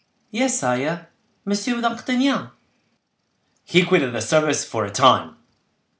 "Yes, sire—Monsieur d'Artagnan." "He quitted the service for a time."